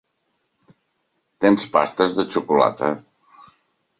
Tens pastes de xocolata?